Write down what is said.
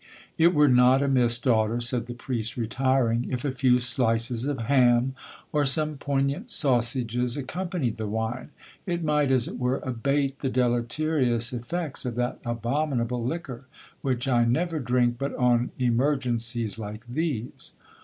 '—'It were not amiss, daughter,' said the priest retiring, 'if a few slices of ham, or some poignant sausages, accompanied the wine—it might, as it were, abate the deleterious effects of that abominable liquor, which I never drink but on emergencies like these.'